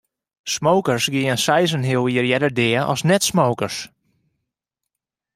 Smokers geane seis en in heal jier earder dea as net-smokers.